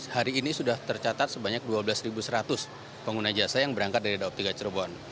hari ini sudah tercatat sebanyak dua belas seratus pengguna jasa yang berangkat dari daob tiga cirebon